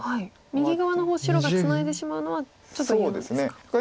右側の方白がツナいでしまうのはちょっと嫌なんですか。